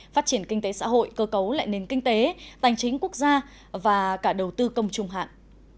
phát triển kinh tế xã hội cơ cấu lệ nền kinh tế tành chính quốc gia và cả đầu tư công trùng hạng